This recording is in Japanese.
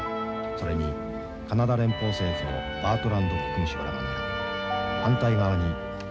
それにカナダ連邦政府のバートランド国務相らが並び反対側に